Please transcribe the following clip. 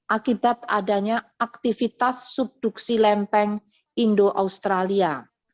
akibat adanya aktivitas subduksi lempeng indo australia